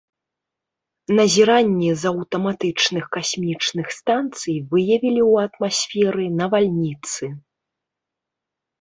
Назіранні з аўтаматычных касмічных станцый выявілі ў атмасферы навальніцы.